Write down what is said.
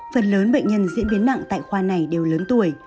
phần lớn bệnh nhân diễn biến nặng tại khoa này đều lớn tuổi